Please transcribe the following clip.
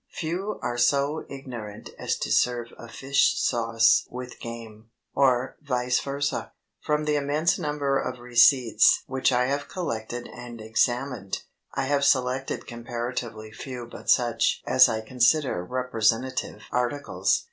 Few are so ignorant as to serve a fish sauce with game, or vice versâ. From the immense number of receipts which I have collected and examined, I have selected comparatively few but such as I consider "representative" articles.